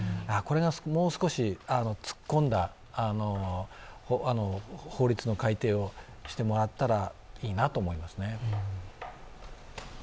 これがもう少し突っ込んだ法律の改定をしてもらったら、いいなと思いますね。